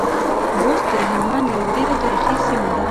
بُست د هلمند يوه ډېره تاريخي سیمه ده.